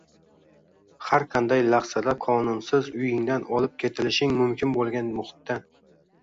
har qanday lahzada qonunsiz uyingdan olib ketilishing mumkin bo‘lgan muhitdan